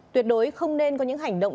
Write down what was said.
tuyệt đối không nên có những hành động